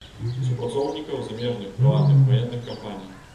Супрацоўнікаў замежных прыватных ваенных кампаній.